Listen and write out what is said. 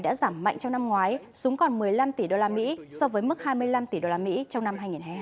đã giảm mạnh trong năm ngoái súng còn một mươi năm tỷ đô la mỹ so với mức hai mươi năm tỷ đô la mỹ trong năm hai nghìn hai mươi hai